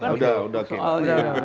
udah udah oke